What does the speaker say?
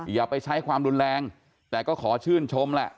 อย่าไปใช้ความรุนแรงแต่ก็ขอชื่นชมแหละ